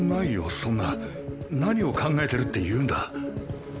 そんな何を考えてるっていうんだ。